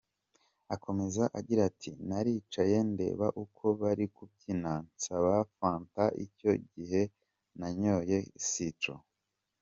Akomeza agira ati “Naricaye ndeba uko bari kubyina, nsaba Fanta, icyo gihe nanyoye citron.